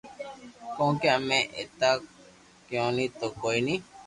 ڪونڪھ امي ايتا گيوني تو ڪوئي ني